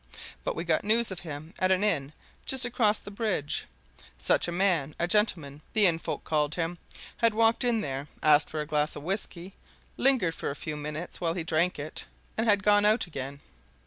But we got news of him at an inn just across the bridge. Such a man a gentleman, the inn folk called him had walked in there, asked for a glass of whisky, lingered for a few minutes while he drank it, and had gone out again.